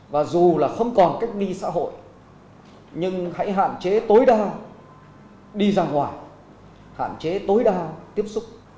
và dù là không còn cách ly xã hội nhưng hãy hạn chế tối đa đi ra ngoài hạn chế tối đa tiếp xúc